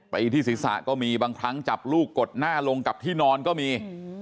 ไปที่ศีรษะก็มีบางครั้งจับลูกกดหน้าลงกับที่นอนก็มี